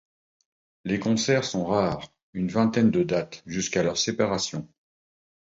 Les concerts sont rares, une vingtaine de dates jusqu'à leur séparation.